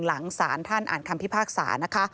หลังสารท่านอ่านคำพิพากษา